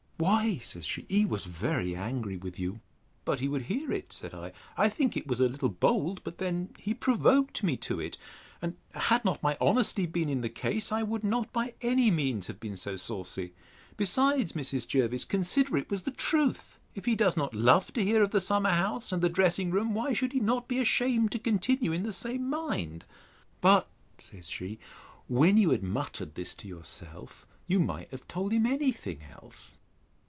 Why, says she, he was very angry with you. But he would hear it! said I: I think it was a little bold; but then he provoked me to it. And had not my honesty been in the case, I would not by any means have been so saucy. Besides, Mrs. Jervis, consider it was the truth; if he does not love to hear of the summer house, and the dressing room, why should he not be ashamed to continue in the same mind? But, said she, when you had muttered this to yourself, you might have told him any thing else.